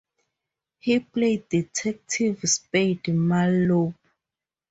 He played detective Spade Marlow.